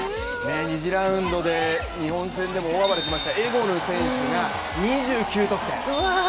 ２次ラウンドで日本戦でも大暴れしましたエゴヌ選手が２９得点。